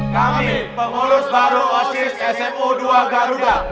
kami pengurus baru osis smu dua garuda